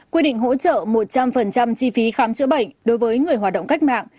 quy định hỗ trợ một trăm linh chi phí khám chữa bệnh đối với người hoạt động cách mạng